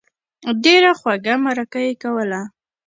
ډېره خوږه مرکه یې کوله.